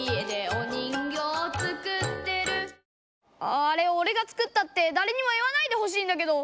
あああれおれが作ったってだれにも言わないでほしいんだけど。